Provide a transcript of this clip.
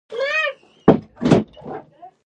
کانت وویل له ځان سره به مې ویل چې څومره عمر ډیریږي.